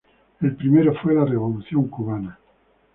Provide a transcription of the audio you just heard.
El primero fue la Revolución cubana.